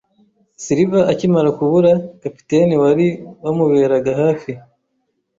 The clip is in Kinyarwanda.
Silver akimara kubura, capitaine wari wamurebaga hafi,